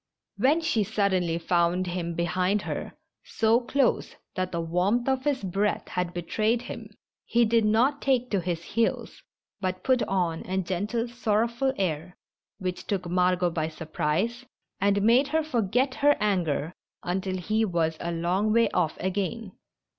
When she suddenly found him behind her, so close that the warmth of his breath had betrayed him, he did not take to his heels, but put on a gentle, sorrowful air, which took Margot by sur prise, and made her forget her anger until he was a long way off again.